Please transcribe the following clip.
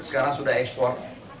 sekarang sudah ekspor